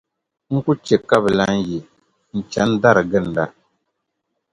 n ku chɛ ka bɛ lan yi n-chani dari ginda.